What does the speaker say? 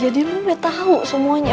jadi mutta tau semuanya kan